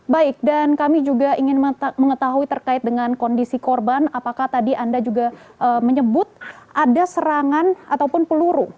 baik dan kami juga ingin mengetahui terkait dengan kondisi korban apakah tadi anda juga menyebut ada serangan ataupun peluru